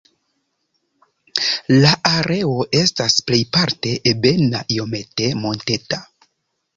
La areo estas plejparte ebena, iomete monteta.